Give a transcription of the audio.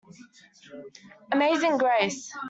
Amazing Grace.